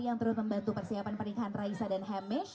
yang turut membantu persiapan pernikahan raisa dan hamish